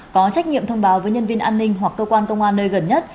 có trách nhiệm thông báo với nhân viên an ninh hoặc cơ quan công an nơi gần nhất